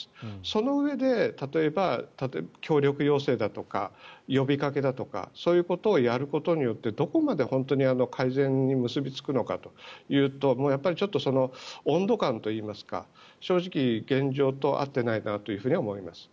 そのうえで例えば、協力要請だとか呼びかけだとかそういうことをやることによってどこまで本当に改善に結びつくのかというとやっぱり温度感といいますか正直、現状と合っていないなというふうには思います。